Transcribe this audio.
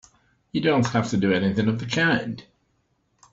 You don't have to do anything of the kind!